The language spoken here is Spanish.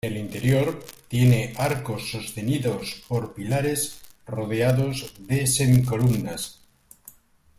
En el interior tiene arcos sostenidos por pilares rodeados de semicolumnas.